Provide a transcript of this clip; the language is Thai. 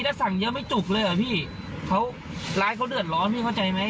ถ้าสั่งเยอะไม่จุกเลยเหรอพี่เขาร้านเขาเดือดร้อนพี่เข้าใจไหม